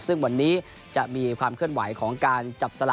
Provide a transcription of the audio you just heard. ซึ่งวันนี้จะมีความเคลื่อนไหวของการจับสละ